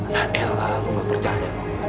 nah elah lo gak percaya